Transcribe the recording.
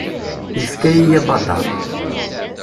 Yefka-yi abadaṛ.